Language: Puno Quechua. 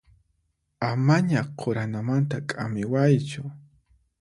Amaña quranamanta k'amiwaychu.